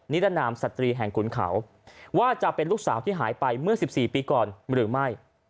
รนามสตรีแห่งขุนเขาว่าจะเป็นลูกสาวที่หายไปเมื่อ๑๔ปีก่อนหรือไม่